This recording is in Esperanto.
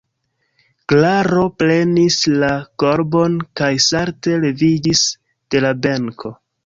Klaro prenis la korbon kaj salte leviĝis de la benko.